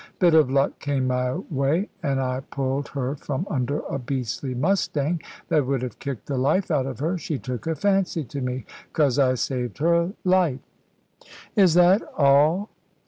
Bit of luck came my way, an' I pulled her from under a beastly mustang, that would have kicked the life out of her. She took a fancy to me, 'cause I saved her life." "Is that all?"